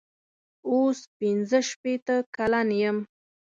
اوس پنځه شپېته کلن یم.